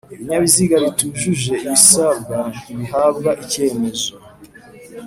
Ibinyabiziga bitujuje ibisabwa ntibihabwa icyemezo